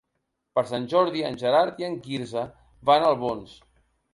Per Sant Jordi en Gerard i en Quirze van a Albons.